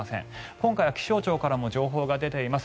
今回は気象庁からも情報が出ています。